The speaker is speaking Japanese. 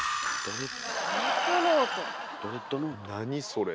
何それ？